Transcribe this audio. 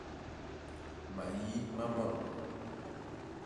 Mayi ma mam.